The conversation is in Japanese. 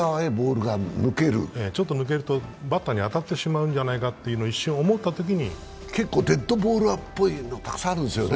ちょっと抜けるとバッターに当たってしまうんじゃないかと結構デッドボールっぽいのたくさんあるんですね。